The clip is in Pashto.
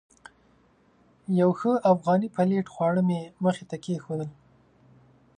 یو ښه افغاني پلیټ خواړه مې مخې ته کېښودل.